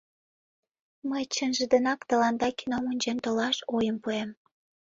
Мый чынже денак тыланда кином ончен толаш ойым пуэм.